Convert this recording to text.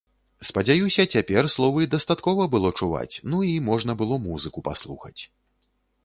Спадзяюся, цяпер словы дастаткова было чуваць, ну, і можна было музыку паслухаць.